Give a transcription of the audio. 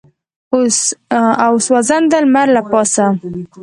او سوځنده لمر له پاسه.